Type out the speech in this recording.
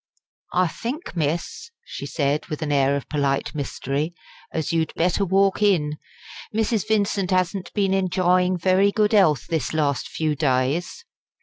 "I think, miss," she said, with an air of polite mystery, "as you'd better walk in. Mrs. Vincent 'asn't been enjyin' very good 'ealth this last few days."